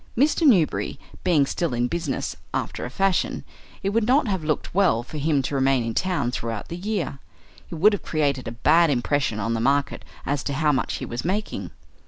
Mr. Newberry being still in business, after a fashion, it would not have looked well for him to remain in town throughout the year. It would have created a bad impression on the market as to how much he was making.